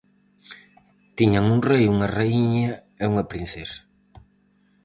Tiñan un rei, unha raíña e unha princesa...